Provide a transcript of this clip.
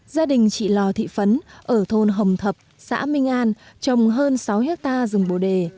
gia đình chị lò thị phấn ở thôn hồng thập xã minh an trồng hơn sáu hectare rừng bồ đề